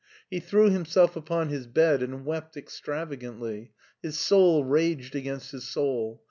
He threw himself upon his bed and wept extravagantly. His soul raged against his soul.